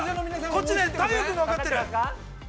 ◆こっち、大祐君が分かってる。